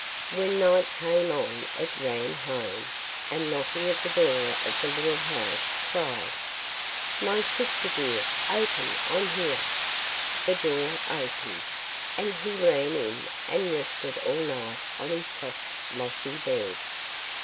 When night came on it ran home, and knocking at the door of the little house cried: 'My sister dear, open; I'm here.' The door opened, and he ran in and rested all night on his soft mossy bed.